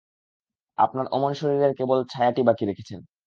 আপনার অমন শরীরের কেবল ছায়াটি বাকি রেখেছেন!